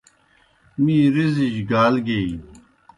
می رِزِیْجیْ گال گیئینیْ۔